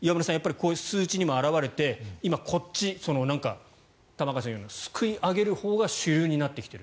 こういう数値にも表れて今、こっちの玉川さんが言うようにすくい上げるほうが主流になってきている。